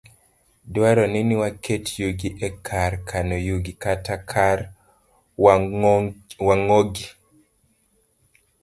Dwarore ni waket yugi e kar kano yugi, kata kar wang'ogi.